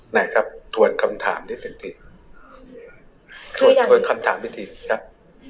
นะครับถวนคำถามนิดหนึ่งถวนคำถามพิธีครับ